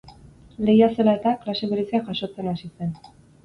Lehia zela eta, klase bereziak jasotzen hasi zen.